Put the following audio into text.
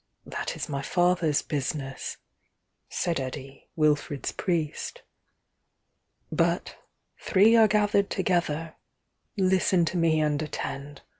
That is My Father's business,"Said Eddi, Wilfrid's priest."But—three are gathered together—Listen to me and attend.